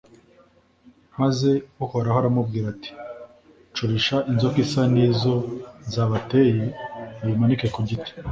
maze uhoraho aramubwira ati curisha inzoka isa n’izo zabateye, uyimanike ku giti.